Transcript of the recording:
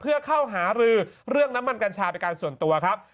เพื่อเข้าหารือเรื่องน้ำมันกัญชาเป็นการส่วนตัวครับ